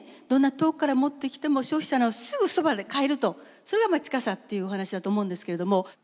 どんな遠くから持ってきても消費者のすぐそばで買えるとそれが近さっていうお話だと思うんですけれども。